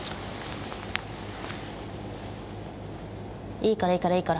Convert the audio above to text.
いいからいいからいいから。